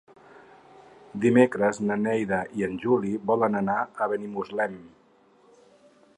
Dimecres na Neida i en Juli volen anar a Benimuslem.